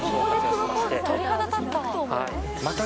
鳥肌立った。